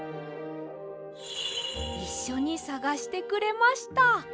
いっしょにさがしてくれました。